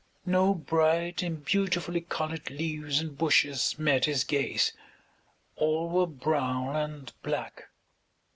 No bright and beautifully colored leaves and bushes met his gaze. All were brown and black.